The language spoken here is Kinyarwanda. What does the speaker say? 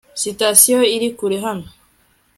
sitasiyo iri kure hano